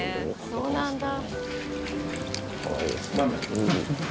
そうなんだ。